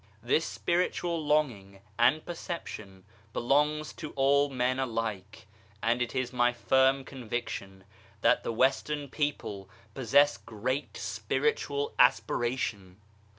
This spiritual longing and perception belongs to all men alike, and it is my firm conviction that the Western people possess great spiritual aspiration.